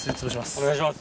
お願いします。